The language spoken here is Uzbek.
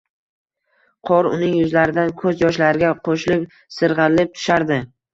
Qor uning yuzlaridan koʻz yoshlarga qoʻshilib sirgʻalib tushardi.